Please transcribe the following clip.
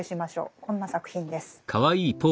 こんな作品です。